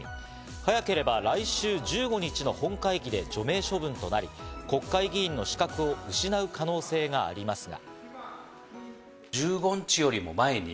早ければ来週１５日の本会議で除名処分となり、国会議員の資格を失う可能性がありますが。